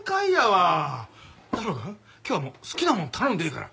今日はもう好きなもん頼んでええから。